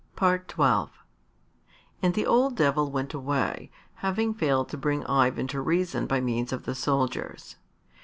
XII And the old Devil went away, having failed to bring Ivan to reason by means of the soldiers.